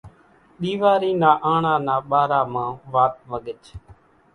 ۮيوارِي نا آنڻا نا ٻارا مان وات وڳچ